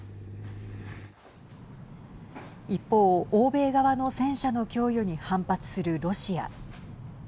一方、欧米側の戦車の供与に反発するロシア。